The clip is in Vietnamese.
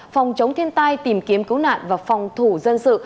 phòng chống thiên tai tìm kiếm cứu nạn và phòng thủ dân sự